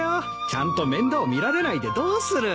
ちゃんと面倒見られないでどうする。